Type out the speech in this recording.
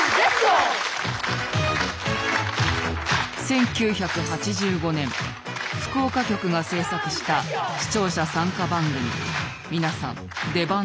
１９８５年福岡局が制作した視聴者参加番組「みなさん出番ですよ！」。